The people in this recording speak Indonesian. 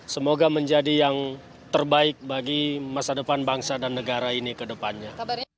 semoga menjadi yang terbaik bagi masa depan bangsa dan negara ini ke depannya